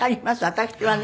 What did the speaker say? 私はね。